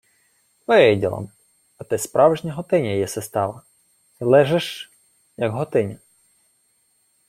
— Виділа-м. А ти справжня готиня єси стала. Й ле-жеш, як готиня.